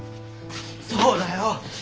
そうだよ。